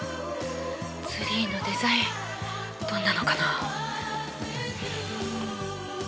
ツリーのデザインどんなのかな？